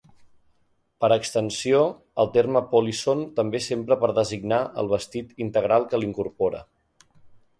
Per extensió, el terme polisson també s'empra per designar el vestit integral que l'incorpora.